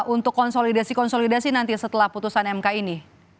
untuk konsolidasi konsolidasi nanti setelah putusan mk ini